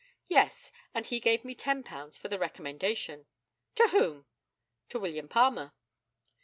Yes, and he gave £10 for the recommendation. To whom? To William Palmer.